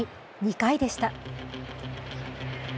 ２回でした。